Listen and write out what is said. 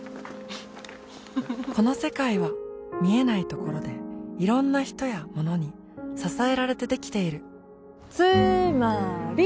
この世界は見えないところでいろんな人やものに支えられてできているつーまーり！